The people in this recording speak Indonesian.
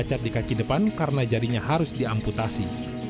mie cacat di kaki depan karena jarinya harus diamputasi